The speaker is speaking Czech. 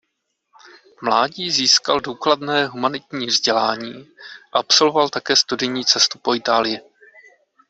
V mládí získal důkladné humanitní vzdělání a absolvoval také studijní cestu po Itálii.